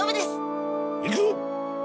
行くぞ！